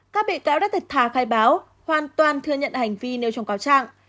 các bị cáo đã thật thà khai báo hoàn toàn thừa nhận hành vi nêu trong cáo trạng